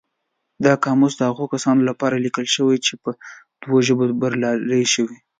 دا قاموس د هغو کسانو لپاره لیکل شوی چې په دوو ژبو برلاسي وي.